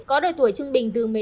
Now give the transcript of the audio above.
có đội tuổi trung bình từ một ca